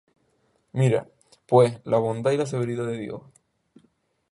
Mira, pues, la bondad y la severidad de Dios: